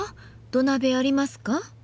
土鍋ありますか？